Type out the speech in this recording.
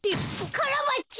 カラバッチョ！